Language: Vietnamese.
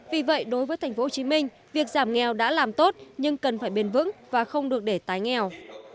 vì vậy đối với tp hcm việc giảm nghèo đã làm tốt nhưng cần phải bền vững và không được để tái nghèo